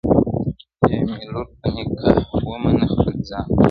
یا مي لور په نکاح ومنه خپل ځان ته -